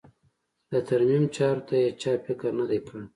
د ترمیم چارو ته یې چا فکر نه دی کړی.